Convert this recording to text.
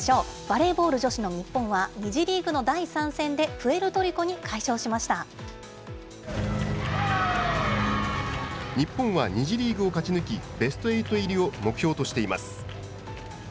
バレーボール女子の日本は２次リーグの第３戦でプエルトリコに快日本は２次リーグを勝ち抜き、ベストエイト入りを目標としています。